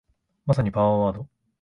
まさにパワーワード